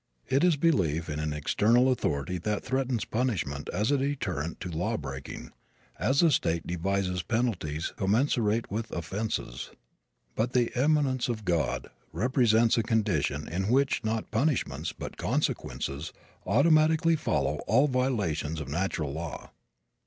It is belief in an external authority that threatens punishment as a deterrent to law breaking, as a state devises penalties commensurate with offenses. But the immanence of God represents a condition in which not punishments, but consequences, automatically follow all violations of natural law.